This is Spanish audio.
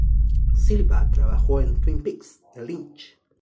Silva trabajó en Twin Peaks, de Lynch.